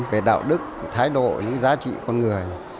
về đạo đức về thái độ về giá trị con người